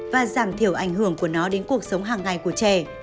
và giảm thiểu ảnh hưởng của nó đến cuộc sống hàng ngày của trẻ